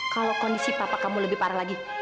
kalau kondisi papa kamu lebih parah lagi